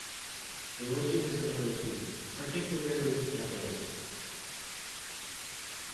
Religion is another theme, particularly Methodism.